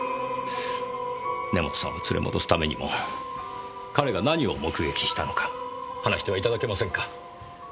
根元さんを連れ戻すためにも彼が何を目撃したのか話してはいただけませんか？